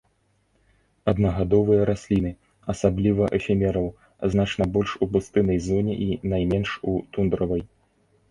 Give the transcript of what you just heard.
Аднагадовыя расліны, асабліва эфемераў, значна больш у пустыннай зоне і найменш у тундравай.